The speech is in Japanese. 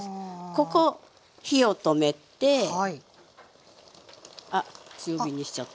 ここ火を止めてあっ強火にしちゃった。